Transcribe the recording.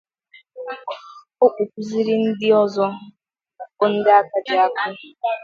Ọ kpọkuzịrị ndị ọzọ bụ ndị aka ji akụ